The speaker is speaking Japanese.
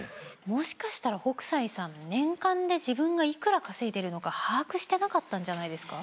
もしかしたら北斎さん年間で自分がいくら稼いでいるのか把握してなかったんじゃないですか？